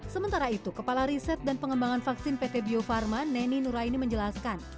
sementara itu kepala riset dan pengembangan vaksin pt bio farma neni nuraini menjelaskan